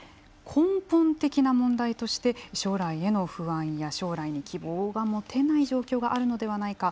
根本的な問題として将来への不安や将来に希望が持てない状況があるのではないか。